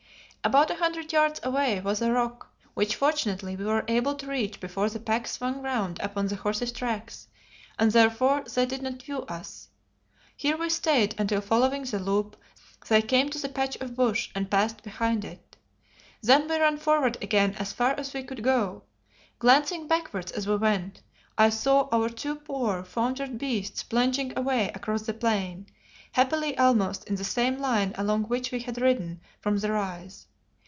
About a hundred yards away was a rock, which fortunately we were able to reach before the pack swung round upon the horses' tracks, and therefore they did not view us. Here we stayed until following the loop, they came to the patch of bush and passed behind it. Then we ran forward again as far as we could go. Glancing backwards as we went, I saw our two poor, foundered beasts plunging away across the plain, happily almost in the same line along which we had ridden from the rise.